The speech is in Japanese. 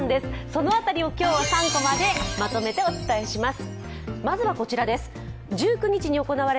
その辺りを今日は３コマでまとめてお伝えします。